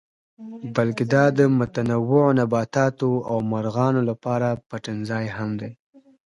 بلکې دا د متنوع نباتاتو او مارغانو لپاره پټنځای هم دی.